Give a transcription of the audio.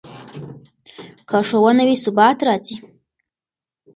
که ښوونه وي، ثبات راځي.